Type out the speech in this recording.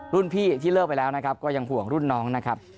รุ่นพี่ที่เลิกไปแล้วนะครับก็ยังห่วงรุ่นน้องนะครับ